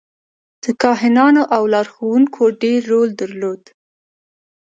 د کاهنانو او لارښوونکو ډېر رول درلود.